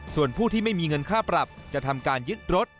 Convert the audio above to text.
ส่วนผู้ที่ไม่มีเงินค่าปรับจะทำการยึดรถ